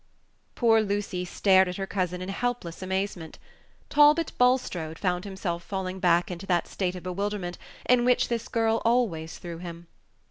Poor Lucy stared at her cousin in helpless amazement. Talbot Bulstrode found himself falling back into that state of bewilderment in which this girl always threw him.